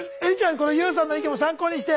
このＹＯＵさんの意見も参考にして。